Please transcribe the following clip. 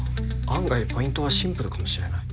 案外ポイントはシンプルかもしれない。